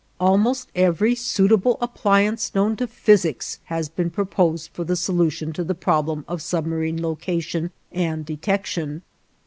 Almost every suitable appliance known to physics has been proposed for the solution of the problem of submarine location and detection.